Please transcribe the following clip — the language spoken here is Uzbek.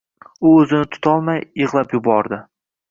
U o`zini tutolmay yig`lab yubordi